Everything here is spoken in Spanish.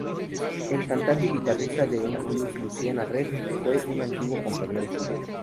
El cantante y guitarrista de blues Louisiana Red fue un antiguo compañero suyo.